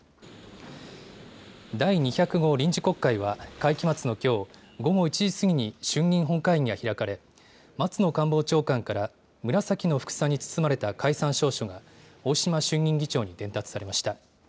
第２０５臨時国会は会期末のきょう、午後１時過ぎに衆議院本会議が開かれ、松野官房長官から、紫のふくさに包まれた解散詔書が、大島衆議院議長に伝達されました。